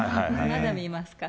まだ見ますか？